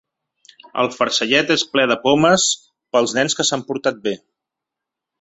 El farcellet és ple de pomes pels nens que s’han portat bé.